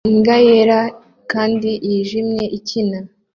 Imbwa yera nimbwa yera kandi yijimye ikina